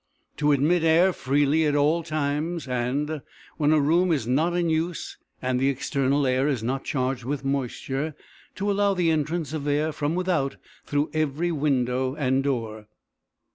To admit air freely at all times, and, when a room is not in use and the external air is not charged with moisture, to allow the entrance of air from without through every window and door.